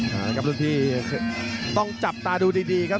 เอาละครับรุ่นพี่ต้องจับตาดูดีครับ